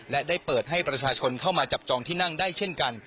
และได้เปิดให้ประชาชนเข้ามาจับจองที่นั่งได้เช่นกัน